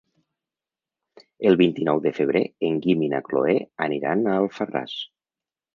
El vint-i-nou de febrer en Guim i na Cloè aniran a Alfarràs.